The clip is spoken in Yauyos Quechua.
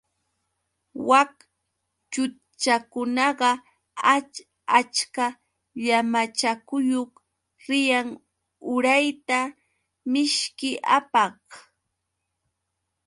Wak chutchakunaqa ach achka llamachayuq riyan urayta mishki apaq.